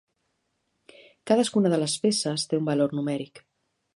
Cadascuna de les peces té un valor numèric.